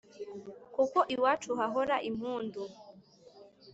ko iwacu hahora impundu